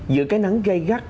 giữa cái nắng gây gắt